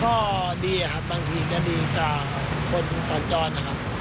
ก็ดีครับบางทีก็ดีกว่าคนตอนจ้อนครับ